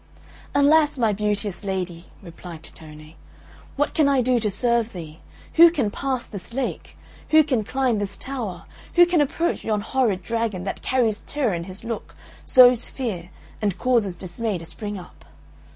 "Alas, my beauteous lady!" replied Tittone, "what can I do to serve thee? Who can pass this lake? Who can climb this tower? Who can approach yon horrid dragon, that carries terror in his look, sows fear, and causes dismay to spring up?